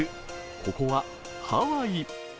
ここはハワイ。